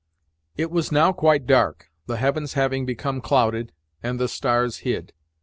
It was now quite dark, the heavens having become clouded, and the stars hid.